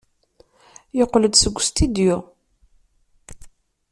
Yeqqel-d seg ustidyu.